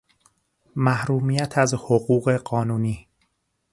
محرومیت از حقوق قانونی